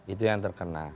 itu yang terkena